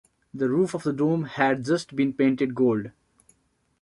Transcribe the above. The roof of the dome had just been painted gold.